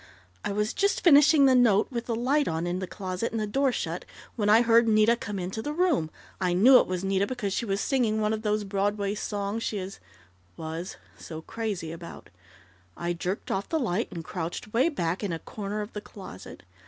"I was just finishing the note, with the light on in the closet, and the door shut, when I heard Nita come into the room. I knew it was Nita because she was singing one of those Broadway songs she is was so crazy about. I jerked off the light, and crouched way back in a corner of the closet.